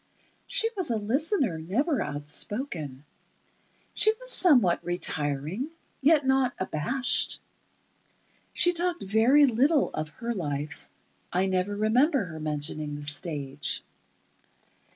She was a listener, never outspoken. She was somewhat retiring, yet not abashed. She talked very little of her life. I never remember her mentioning the stage.